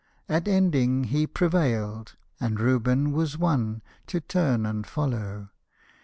At ending, he prevailed, and Reub was won To turn and follow.